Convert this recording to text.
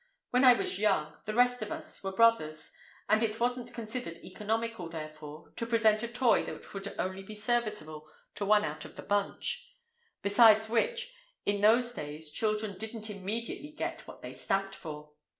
When I was young, the rest of us were brothers, and it wasn't considered economical, therefore, to present a toy that would only be serviceable to one out of the bunch. Besides which, in those days children didn't immediately get what they stamped for.